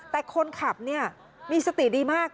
แต่คนขับเนี่ยมีสติดีมาก